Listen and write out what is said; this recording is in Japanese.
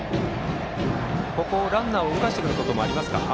ランナーを動かしてくることもあり得ますか？